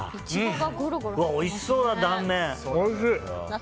おいしそうな断面！